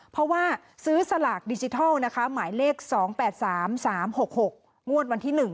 เพราะว่าซื้อสลากดิจิทัลนะคะหมายเลขสองแปดสามสามหกหก